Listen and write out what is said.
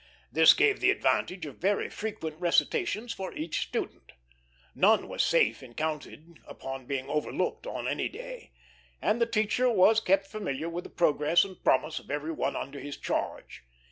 This gave the advantage of very frequent recitations for each student. None was safe in counting upon being overlooked on any day, and the teacher was kept familiar with the progress and promise of every one under his charge.